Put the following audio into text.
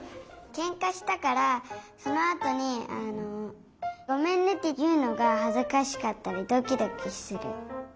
けんかしたからそのあとに「ごめんね」っていうのがはずかしかったりドキドキする。